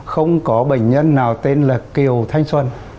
không có bệnh nhân nào tên là kiều thanh xuân